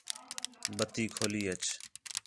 بَتی کھولی آچ